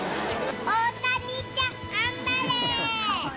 大谷ちゃん、頑張れー！